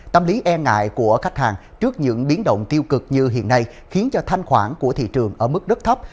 tâm lý e ngại của khách hàng trước những biến động tiêu cực như hiện nay khiến cho thanh khoản của thị trường ở mức rất thấp